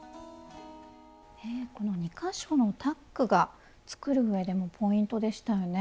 この２か所のタックが作る上でもポイントでしたよね。